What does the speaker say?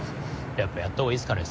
やっぱやったほうがいいっすかね